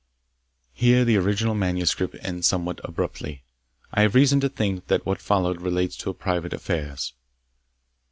_Here the original manuscript ends somewhat abruptly. I have reason to think that what followed related to private a affairs.